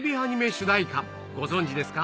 主題歌、ご存じですか？